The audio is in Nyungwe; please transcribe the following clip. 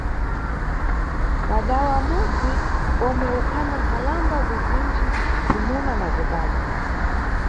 Padawa m`mudzi, omwe ukhana nkhalamba zizinji, zimuna na zikazi.